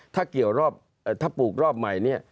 ถ้าปลูกรอบใหม่เนี่ย